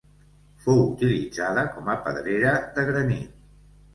Fou utilitzada com a pedrera de granit.